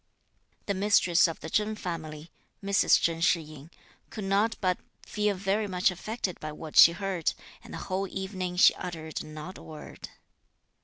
The mistress of the Chen family (Mrs. Chen Shih yin) could not but feel very much affected by what she heard, and the whole evening she uttered not a word.